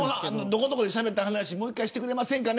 どこどこで言った話をもう一回してくれませんかと。